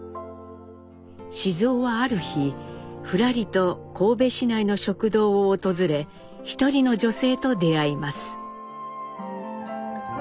雄はある日ふらりと神戸市内の食堂を訪れ一人の女性と出会います。